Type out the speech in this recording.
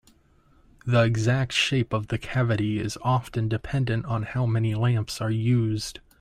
The exact shape of the cavity is often dependent on how many lamps are used.